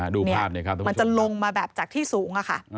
ดูภาพนี้ครับมันจะลงมาแบบจากที่สูง